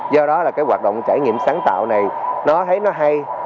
do đó là cái hoạt động trải nghiệm sáng tạo này nó thấy nó hay